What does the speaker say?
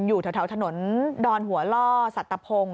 อยู่แถวถนนดอนหัวล่อสัตวพงศ